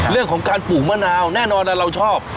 เรื่องของการปลูกมะนาวแน่นอนเราชอบ